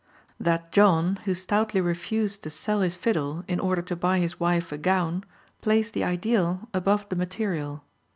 That John who stoutly refused to sell his fiddle in order to buy his wife a gown placed the ideal above the material.